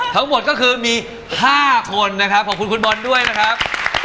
ทั้งหมดก็คือมี๕คนนะครับขอบคุณคุณบอลด้วยนะครับ